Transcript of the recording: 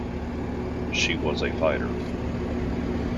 She was a fighter.